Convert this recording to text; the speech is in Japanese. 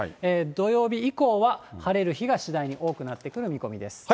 土曜日以降は晴れる日が次第に多くなってくる見込みです。